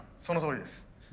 そのとおりです。